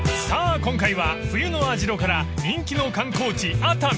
今回は冬の網代から人気の観光地熱海］